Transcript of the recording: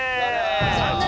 残念！